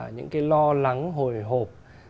những cái lo lắng hồi hộp